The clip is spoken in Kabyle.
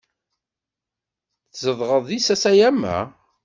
Tzedɣeḍ di Sasayama?